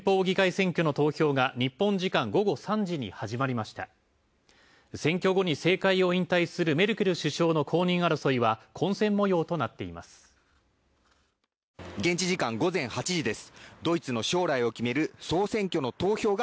選挙後に政界を引退するメルケル首相の後任争いは混戦模様となっています。